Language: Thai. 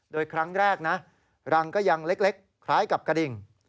โดยครั้งแรกนะรังก็ยังเล็กคล้ายกับกระดิ่ง